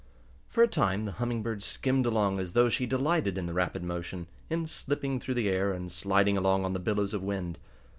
For a time the Humming Bird skimmed along as though she delighted in the rapid motion, in slipping through the air and sliding along on the billows of wind.